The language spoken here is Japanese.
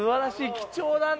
貴重なね。